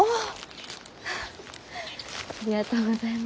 フッありがとうございます。